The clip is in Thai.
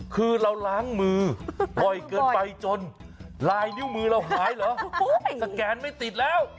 คือเราล้างมือบ่อยเกินไปจนลายนิ้วมือเราหายเหรอสแกนไม่ติดแล้ว